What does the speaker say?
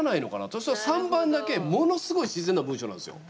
そしたら３番だけものすごい自然な文章なんですよ。